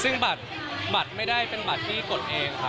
ซึ่งบัตรไม่ได้เป็นบัตรที่กดเองครับ